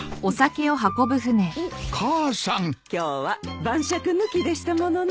今日は晩酌抜きでしたものね。